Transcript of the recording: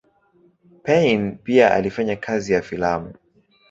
Payn pia alifanya kazi ya filamu.